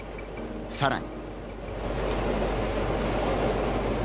さらに。